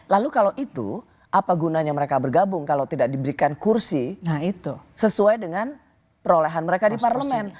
lalu kalau itu apa gunanya mereka bergabung kalau tidak diberikan kursi nah itu sesuai dengan perolehan mereka di parlemen